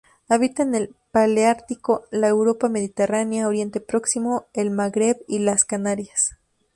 Habita en el paleártico: la Europa mediterránea, Oriente Próximo, el Magreb y las Canarias.